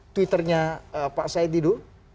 twitternya pak said didu